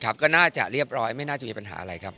ก็น่าจะเรียบร้อยไม่น่าจะมีปัญหาอะไรครับ